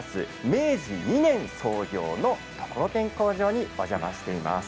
明治２年創業のところてん工場にお邪魔しています。